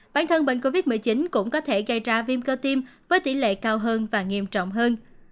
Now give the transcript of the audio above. bản thân bệnh covid một mươi chín cũng có thể gây ra viêm cơ tim với tỷ lệ cao hơn và nghiêm trọng hơn